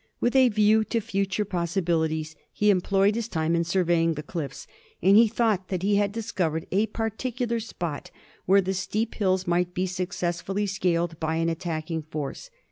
With a view to future possibilities, he employed his time in surveying the cliffs, and he thought that he had discovered a par ticular spot where the steep hills might be successfully scaled by an attacking force.